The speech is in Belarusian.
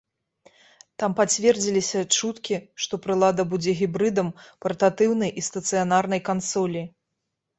Там пацвердзіліся чуткі, што прылада будзе гібрыдам партатыўнай і стацыянарнай кансолі.